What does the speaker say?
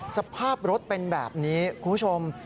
สภาพรถเป็นแบบนี้คุณผู้ชม